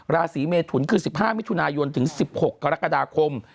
ราศีเมทุนคือ๑๕มิถุนายนถึง๑๖กรกฎาคม